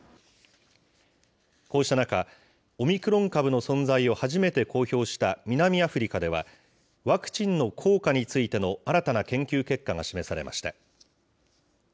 こうした中、オミクロン株の存在を初めて公表した南アフリカでは、ワクチンの効果についての新たな研究結果が示されました。